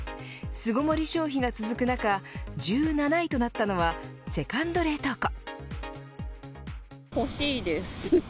巣ごもり消費が続く中１７位となったのはセカンド冷凍庫。